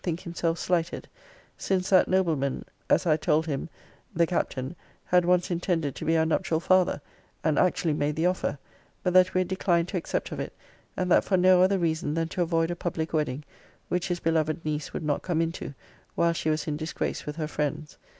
think himself slighted; since that nobleman, as I had told him [the Captain] had once intended to be our nuptial father; and actually made the offer; but that we had declined to accept of it, and that for no other reason than to avoid a public wedding; which his beloved niece would not come into, while she was in disgrace with her friends.